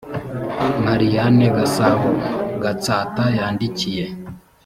marianne gasabo gatsata yandikiye